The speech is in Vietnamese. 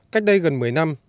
cách đây gần mấy năm